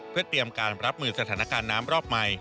เพื่อเตรียมการรับมือสถานการณ์น้ำรอบใหม่